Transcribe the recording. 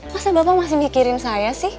masa bapak masih mikirin saya sih